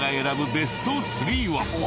ベスト３は？